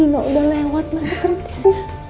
nino udah lewat masa kritisnya